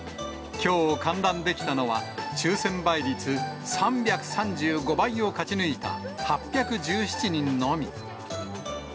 きょう、観覧できたのは抽せん倍率３３５倍を勝ち抜いた８１７人のみ。